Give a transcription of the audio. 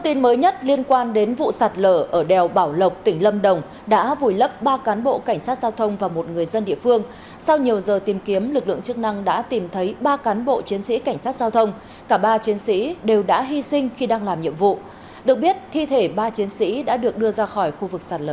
tin mới nhất liên quan đến vụ sạt lở ở đèo bảo lộc tỉnh lâm đồng đã vùi lấp ba cán bộ cảnh sát giao thông và một người dân địa phương sau nhiều giờ tìm kiếm lực lượng chức năng đã tìm thấy ba cán bộ chiến sĩ cảnh sát giao thông cả ba chiến sĩ đều đã hy sinh khi đang làm nhiệm vụ được biết thi thể ba chiến sĩ đã được đưa ra khỏi khu vực sạt lở